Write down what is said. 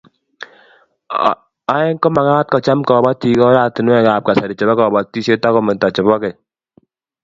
Oeng komagat kocham kobotik oratinwekab kasari chebo kobotisiet akometu chebo keny